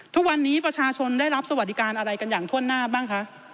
ทุกวันนี้ประชาชนได้รับสวัสดิการอะไรกันอย่างถ้วนหน้าบ้างคะ